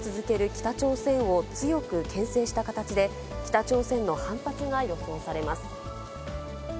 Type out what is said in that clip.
北朝鮮を強くけん制した形で、北朝鮮の反発が予想されます。